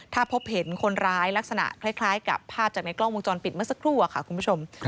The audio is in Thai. ถ้าพบเห็นคนร้ายลักษณะคล้ายกับภาพจากในกล้องวงจรปิดเมื่อสักครู่ค่ะคุณผู้ชม